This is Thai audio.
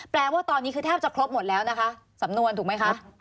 แปลว่าตอนนี้คือแทบจะครบหมดแล้วนะคะสำนวนถูกไหมคะ